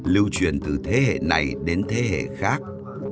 lưu truyền từ thế hệ này đến thế hệ khác